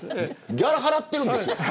ギャラ払ってるんです。